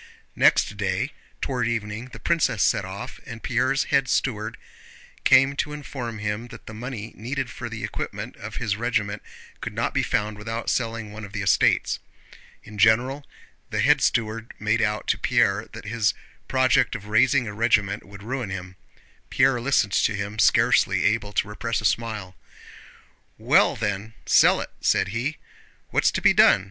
Next day toward evening the princess set off, and Pierre's head steward came to inform him that the money needed for the equipment of his regiment could not be found without selling one of the estates. In general the head steward made out to Pierre that his project of raising a regiment would ruin him. Pierre listened to him, scarcely able to repress a smile. "Well then, sell it," said he. "What's to be done?